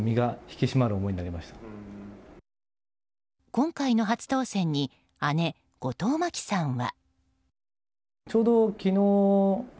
今回の初当選に姉・後藤真希さんは。